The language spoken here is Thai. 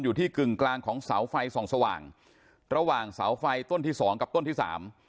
กึ่งกลางของเสาไฟส่องสว่างระหว่างเสาไฟต้นที่สองกับต้นที่สาม